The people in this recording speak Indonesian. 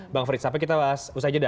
bang frits sampai kita bahas usai jeda